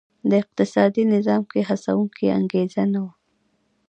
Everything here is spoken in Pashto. د اقتصادي نظام کې هڅوونکې انګېزه نه وه.